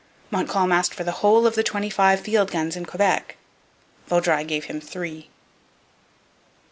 Montcalm asked for the whole of the twenty five field guns in Quebec. Vaudreuil gave him three.